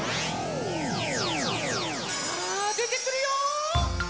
さあでてくるよ！